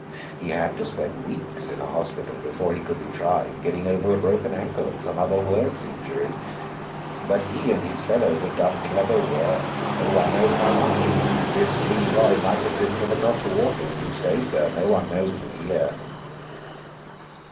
He had to spend weeks in a hospital before he could be tried, getting over a broken ankle and some other worse injuries. But he and his fellows had done clever work, no one knows how much. This Leroy might have been from across the water, as you say, sir; no one knows him here."